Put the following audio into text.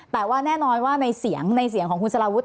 แต่ว่าแน่นอนว่าในเสียงของคุณสลาวุทธ์